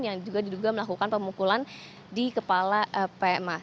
yang juga diduga melakukan pemukulan di kepala pma